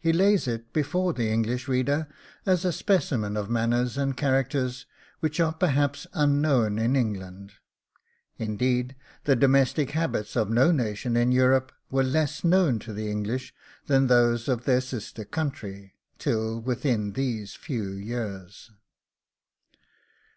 He lays it before the English reader as a specimen of manners and characters which are perhaps unknown in England. Indeed, the domestic habits of no nation in Europe were less known to the English than those of their sister country, till within these few years.